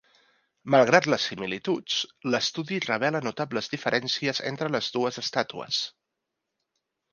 Malgrat les similituds, l'estudi revela notables diferències entre les dues estàtues.